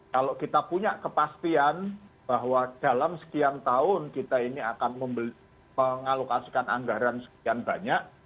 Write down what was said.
kalau kita punya kepastian bahwa dalam sekian tahun kita ini akan mengalokasikan anggaran sekian banyak